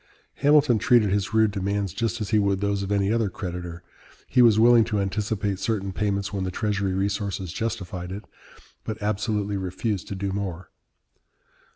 Hamilton treated his rude demands just as he would those of any other creditor. He was willing to anticipate certain payments when the Treasury resources justified it, but absolutely refused to do more.